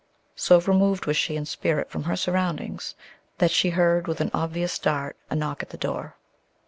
So removed was she in spirit from her surroundings that she heard with an obvious start a knock at the door.